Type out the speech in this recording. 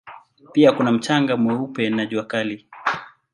Pia kuna mchanga mweupe na jua kali.